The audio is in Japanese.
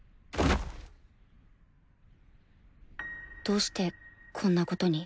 どうしてこんなことに？